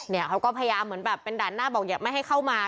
เขาก็พยายามเหมือนแบบเป็นด่านหน้าบอกอย่าไม่ให้เข้ามา